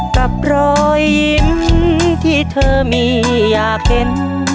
กับรอยยิ้มที่เธอมีอยากเห็น